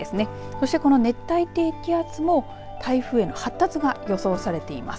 そしてこの熱帯低気圧も台風への発達が予想されています。